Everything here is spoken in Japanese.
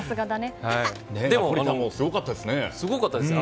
でも、すごかったですね。